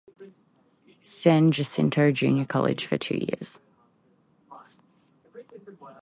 San Jacinto Junior College for two years.